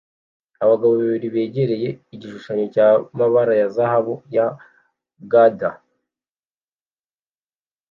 Abagabo babiri begereye igishusho cy'amabara ya zahabu ya Gandhi